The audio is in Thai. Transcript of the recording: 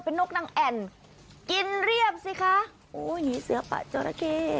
เป็นนักนางแอ่นกินเรียบสิคะโอ้ยนี่เสื้อป่าเจ้าระเกษ